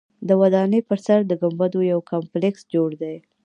د ودانۍ پر سر د ګنبدونو یو کمپلیکس جوړ دی.